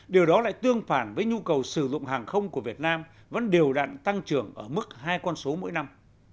điều đó lại tương phản với nhu cầu sử dụng hàng không của việt nam vẫn đều đặn tăng trưởng ở mức hai con số mỗi năm